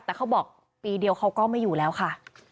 แต่เขาบอกปีเดียวเขาก็ไม่อยู่แล้วค่ะ